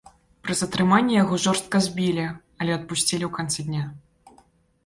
Пры затрыманні яго жорстка збілі, але адпусцілі ў канцы дня.